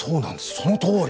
そのとおり。